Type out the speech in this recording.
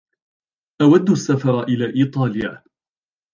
أود السفر إلى إيطاليا.